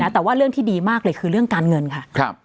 แต่ว่าเรื่องที่ดีมากเลยคือเรื่องการเงินค่ะ